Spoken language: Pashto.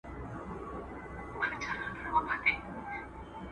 حمید مومند یو نازکخیاله شاعر و.